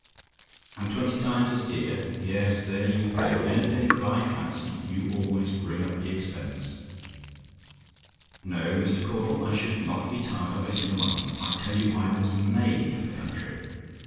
"AND TWENTY TIMES AS DEAR? "Yes; there you go! Anything that I fancy, you always bring up the expense. "No, Mr. Caudle, I should not be tired of it in a month. I tell you I was made for the country.